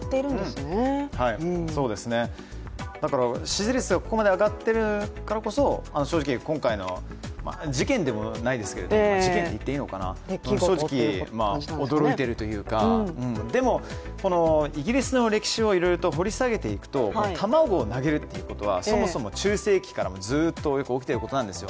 支持率がここまで上がってるからこそ正直、今回の事件ではないですけど事件って言っていいのかな、正直驚いているというか、でもイギリスの歴史をいろいろと掘り下げていくと卵を投げるっていうことは、そもそも中世期からもずっと起きていることなんです